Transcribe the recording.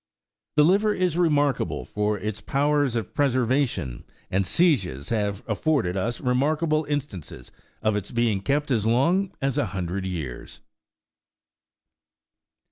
The liver is remarkable for its powers of preservation, and sieges have afforded us remarkable in stances of its being kept so long as a hundred years.